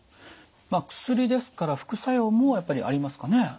薬ですから副作用もやっぱりありますかね。